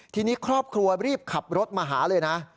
ทีนี้ครอบครัวรีบขับรถมาหาเลยนะ